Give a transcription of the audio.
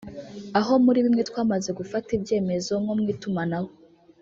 aho muri bimwe twamaze gufata ibyemezo nko mu itumanaho